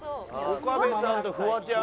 岡部さんとフワちゃん？